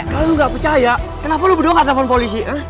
kalo lo gak percaya kenapa lo bedoh gak telepon polisi